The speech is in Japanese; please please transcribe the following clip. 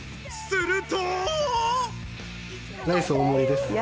すると。